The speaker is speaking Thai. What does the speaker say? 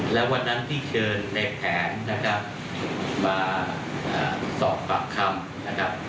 แล้ววันนั้นที่เชิญในแผนมาสอบต่อคำ